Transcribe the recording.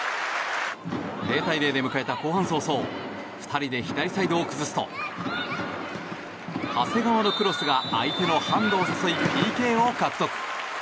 ０体０で迎えた後半早々２人で左サイドを崩すと長谷川のクロスが相手のハンドを誘いＰＫを獲得。